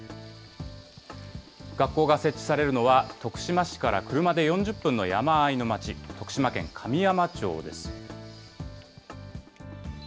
学校が設置されるのは、徳島市から車で４０分の山あいの町、徳島県神山町です。